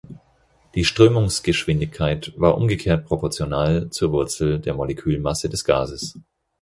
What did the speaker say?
Die Strömungsgeschwindigkeit war umgekehrt proportional zur Wurzel der Molekülmasse des Gases.